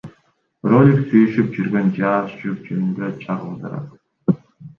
Ролик сүйүшүп жүргөн жаш жуп жөнүндө чагылдырат.